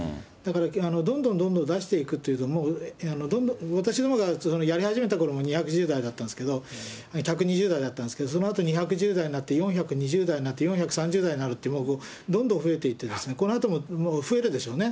だからどんどんどんどん出していくというよりも、私どもがやり始めたころは２１０代だったんですけど、１２０代だったんですけど、そのあと２１０代になって、４２０代になって、４３０代になるって、どんどん増えていって、このあとも増えたでしょうね。